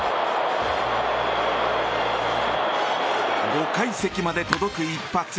５階席まで届く一発。